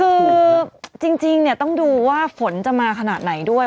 คือจริงเนี่ยต้องดูว่าฝนจะมาขนาดไหนด้วย